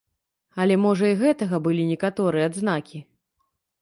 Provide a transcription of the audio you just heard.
Але можа і гэтага былі некаторыя адзнакі.